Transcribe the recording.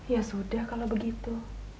ya sudah kalau begitu